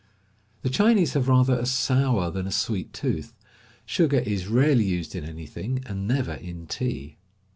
The Chinese have rather a sour than a sweet tooth. Sugar is rarely used in anything, and never in tea.